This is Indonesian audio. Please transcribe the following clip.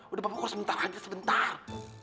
udah bapak kurang sebentar aja sebentar